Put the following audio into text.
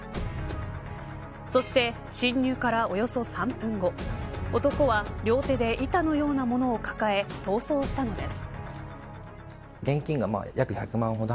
そして、侵入からおよそ３分後男は両手で板のようなものを抱え逃走したのです。